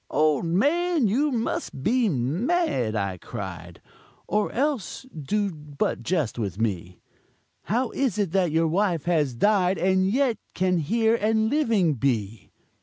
"Old man, you must be mad!" I cried, "Or else you do but jest with me; How is it that your wife has died And yet can here and living be?